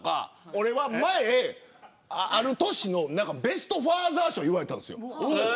俺は前ある年のベスト・ファーザー賞と言われたんです。